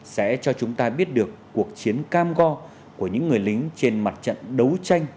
sẽ cho chúng ta biết được cuộc chiến cam go của những người lính trên mặt trận đấu tranh